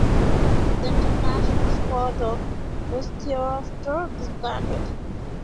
The International Squadron was thereafter disbanded.